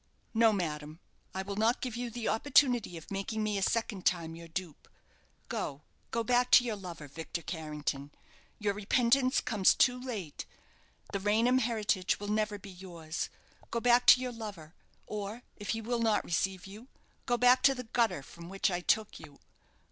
"No, madam, I will not give you the opportunity of making me a second time your dupe. Go go back to your lover, Victor Carrington. Your repentance comes too late. The Raynham heritage will never be yours. Go back to your lover; or, if he will not receive you, go back to the gutter from which I took you."